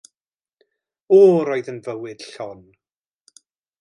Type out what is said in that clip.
O, roedd yn fywyd llon!